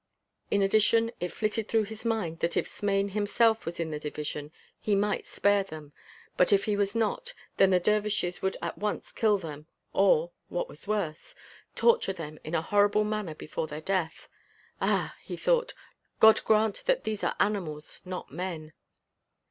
In addition it flitted through his mind that if Smain himself was in the division, he might spare them, but if he was not, then the dervishes would at once kill them or, what is worse, torture them in a horrible manner before their death. "Ah," he thought, "God grant that these are animals, not men!"